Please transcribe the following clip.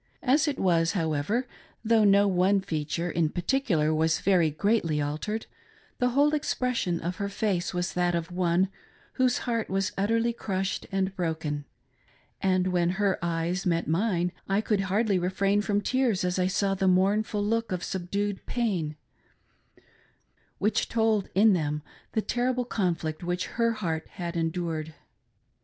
As it was, however, though no one feature in particular was very greatly altered, the whole expression of her face was that of one whose heart was utterly crushed and broken ; and when her eyes met mine, I could hardly refrain from tears as I saw the mournful look of subdued pain, which told in them the terrible conflict which her heart had endured.